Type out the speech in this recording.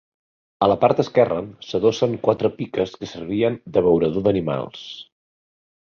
A la part esquerra s'adossen quatre piques que servien d'abeurador d'animals.